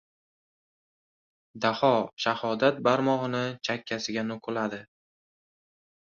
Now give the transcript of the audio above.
Daho shahodat barmog‘ini chakkasiga nuqiladi.